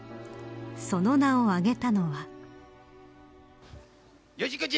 その名を挙げたのは。